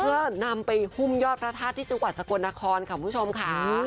เพื่อนำไปหุ้มยอดประทาสที่จุดหวัดสกวรนครค่ะผู้ชมค่า